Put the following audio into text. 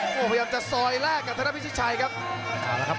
โหพยายามจะซอยแรกกับรับพิธิชไชต์ครับ